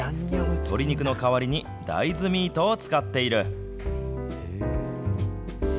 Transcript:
鶏肉の代わりに、大豆ミートを使っている。